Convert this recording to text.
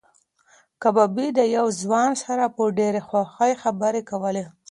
کبابي د یو ځوان سره په ډېرې خوښۍ خبرې کولې.